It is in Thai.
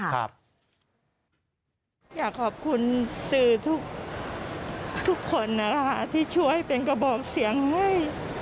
อยากขอบคุณสื่อทุกคนนะคะที่ช่วยเป็นกระบอกเสียงให้